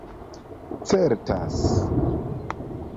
certas